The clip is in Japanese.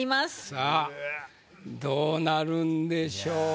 さあどうなるんでしょうか？